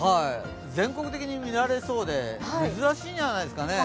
全国的に見られそうで珍しいんじゃないですかね